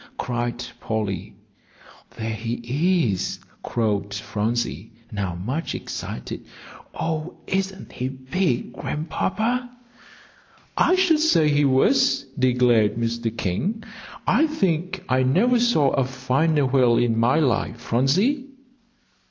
cried Polly. "There he is!" crowed Phronsie, now much excited. "Oh, isn't he big, Grandpapa?" "I should say he was," declared Mr. King. "I think I never saw a finer whale in my life, Phronsie."